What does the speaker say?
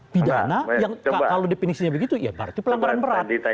pidana yang kalau definisinya begitu ya berarti pelanggaran berat